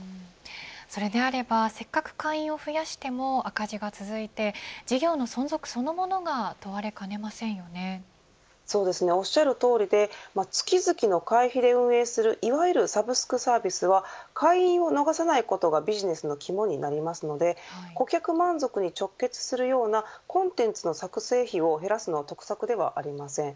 それであればせっかく会員を増やしても赤字が続いて事業の存続そのものがおっしゃるとおりで月々の会費で運営するいわゆるサブスクサービスは会員を逃さないことがビジネスの肝になりますので顧客満足に直結するようなコンテンツの作成費を減らすのは得策ではありません。